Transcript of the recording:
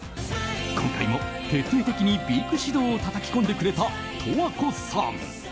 今回も徹底的に、美育指導をたたき込んでくれた十和子さん。